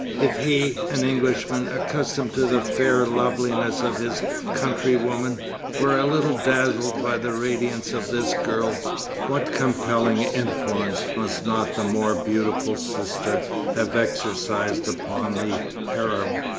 If he, an Englishman, accustomed to the fair loveliness of his countrywomen, were a little dazzled by the radiance of this girl, what compelling influence must not the more beautiful sister have exercised upon the Arab?